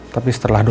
tapi setelah itu